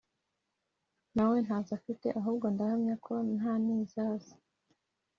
nawe ntazo afite ahubwo ndahamya ko ntanizazi